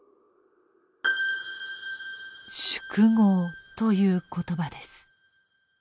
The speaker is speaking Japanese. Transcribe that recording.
「宿業」という言葉です。